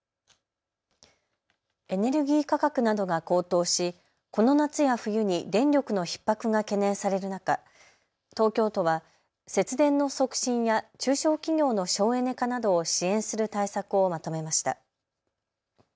エネルギー価格などが高騰しこの夏や冬に電力のひっ迫が懸念される中、東京都は節電の促進や中小企業の省エネ化などを支援する対策をまとめました。